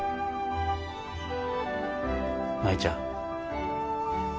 舞ちゃん。